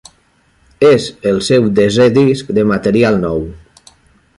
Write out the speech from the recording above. És el seu desè disc de material nou.